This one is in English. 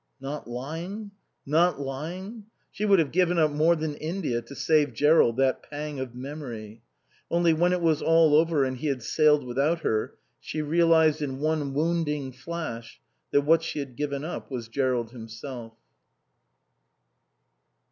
Not lying. Not lying. She would have given up more than India to save Jerrold that pang of memory. Only, when it was all over and he had sailed without her, she realized in one wounding flash that what she had given up was Jerrold himself.